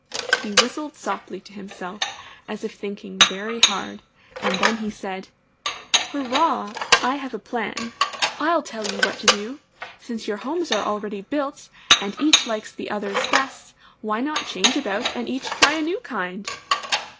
He whistled softly to himself, as if thinking very hard, and then he said, ^^Hurrah! I have a plan! I'll tell you what to do! Since your homes are already built, and each likes the others' best, why not change about and each try a new kind?'